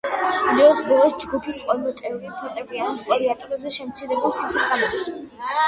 ვიდეოს ბოლოს ჯგუფის ყველა წევრი ფორტეპიანოს კლავიატურაზე შემცირებული სახით გამოდის.